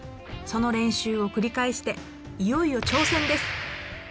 その練習を繰り返していよいよ挑戦です。